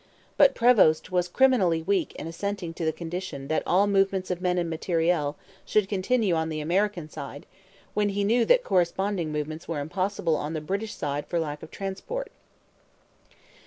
But Prevost was criminally weak in assenting to the condition that all movements of men and material should continue on the American side, when he knew that corresponding movements were impossible on the British side for lack of transport.